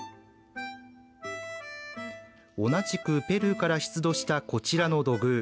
同じくペルーから出土したこちらの土偶。